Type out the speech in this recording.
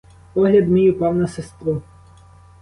Погляд мій упав на сестру.